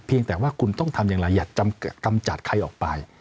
แต่ว่าคุณต้องทำอย่างไรอย่ากำจัดใครออกไป